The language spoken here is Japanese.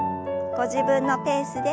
ご自分のペースで。